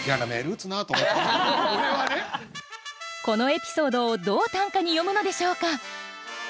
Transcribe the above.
このエピソードをどう短歌に詠むのでしょうか。